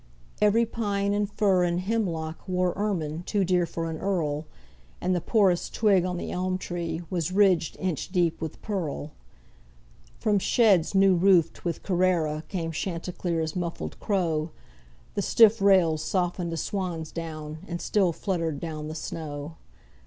Every pine and fir and hemlock Wore ermine too dear for an earl, And the poorest twig on the elm tree Was ridged inch deep with pearl. From sheds new roofed with Carrara Came Chanticleer's muffled crow, The stiff rails softened to swan's down, And still fluttered down the snow.